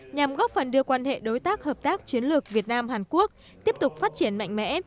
nhằm góp phần đưa quan hệ đối tác hợp tác chiến lược việt nam hàn quốc tiếp tục phát triển mạnh mẽ